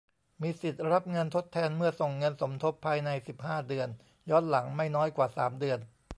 มีสิทธิ์รับเงินทดแทนเมื่อส่งเงินสมทบภายใน สิบห้า เดือน ย้อนหลัง ไม่น้อยกว่า สาม เดือน